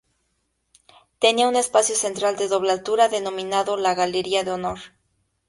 Tenía un espacio central de doble altura, denominado la Galería de Honor.